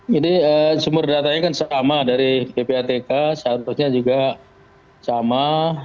jadi sumber datanya kan sama dari ppatk seharusnya juga sama